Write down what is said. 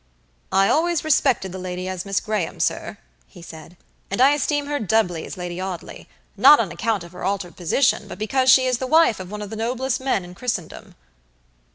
"I always respected the lady as Miss Graham, sir," he said, "and I esteem her doubly as Lady Audleynot on account of her altered position, but because she is the wife of one of the noblest men in Christendom."